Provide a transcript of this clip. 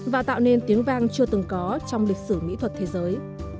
và tạo nên tiếng vang chưa từng có trong lịch sử mỹ thuật thế giới